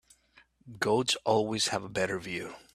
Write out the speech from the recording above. Goats always have a better view.